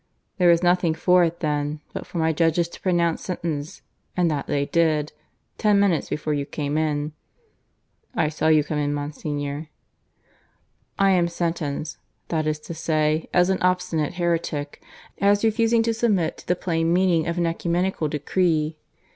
There was nothing for it, then, but for my judges to pronounce sentence; and that they did, ten minutes before you came in. (I saw you come in, Monsignor.) I am sentenced, that is to say, as an obstinate heretic as refusing to submit to the plain meaning of an ecumenical decree.